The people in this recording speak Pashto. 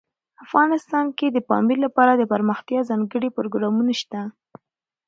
افغانستان کې د پامیر لپاره دپرمختیا ځانګړي پروګرامونه شته.